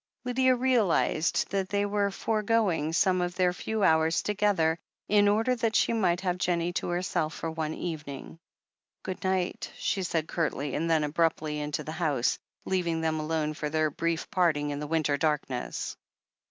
Lydia realized that they were forgoing some of their few hours together in order that she might have Jennie to herself for one evening. "Good night," she said curtly, and turned abruptly into the house, leaving them alone for their brief part ing in the winter darkness.